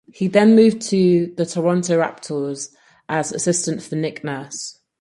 He then moved to the Toronto Raptors as assistant for Nick Nurse.